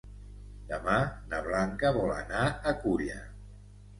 Demà na Blanca vol anar a Culla.